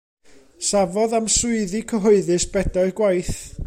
Safodd am swyddi cyhoeddus bedair gwaith.